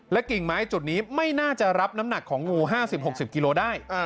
กิ่งไม้จุดนี้ไม่น่าจะรับน้ำหนักของงู๕๐๖๐กิโลได้